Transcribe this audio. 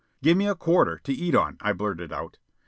"Gimme a quarter to eat on," I blurted out.